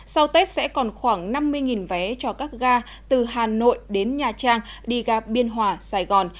sau tết sẽ còn khoảng năm mươi vé cho các ga từ hà nội đến nha trang đi ga biên hòa sài gòn